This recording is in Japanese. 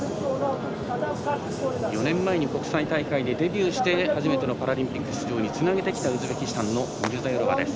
４年前に国際大会でデビューして初めてのパラリンピック出場につなげてきたウズベキスタンのミルザヨロワです。